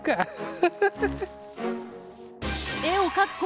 フフフフ。